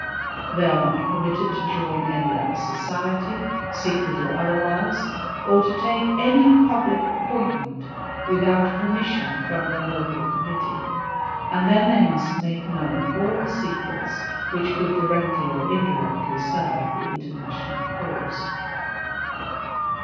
They are not permitted to join any other society, secret or otherwise, or to take any public appointment without permission from their local committee ; and then they must make known all secrets which could directly or indirectly serve the International cause.